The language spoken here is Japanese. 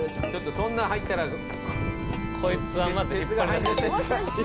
ちょっとそんな入ったら。